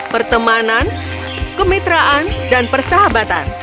pertemanan kemitraan dan persahabatan